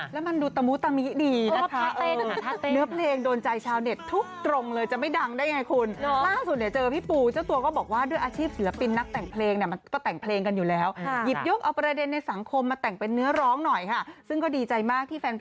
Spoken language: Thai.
สับไปเพื่อวาสึกเพื่อคืดก่อเพื่อแท้